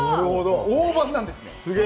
大判なんです。